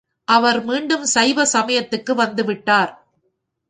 அவர் மீண்டும் சைவ சமயத்திற்கு வந்துவிட்டார்.